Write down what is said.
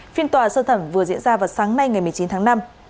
phiên tòa sơ thẩm vừa diễn ra vào sáng nay ngày một mươi chín tháng năm